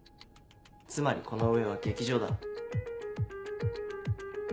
つまりこの上は劇場だ。